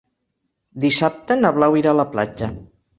Dissabte na Blau irà a la platja.